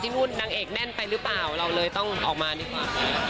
นู่นนางเอกแน่นไปหรือเปล่าเราเลยต้องออกมาดีกว่า